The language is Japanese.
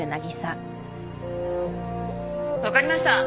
分かりました。